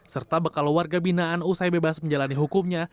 serta bekal warga binaan usai bebas menjalani hukumnya